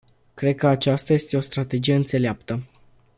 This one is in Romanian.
Cred că aceasta este o strategie înțeleaptă.